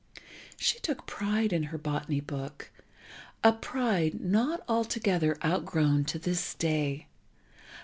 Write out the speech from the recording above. She took pride in her botany book, a pride not altogether out grown to this day.